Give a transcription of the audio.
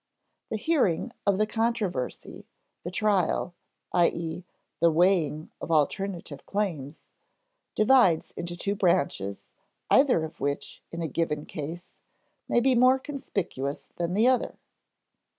The hearing of the controversy, the trial, i.e. the weighing of alternative claims, divides into two branches, either of which, in a given case, may be more conspicuous than the other.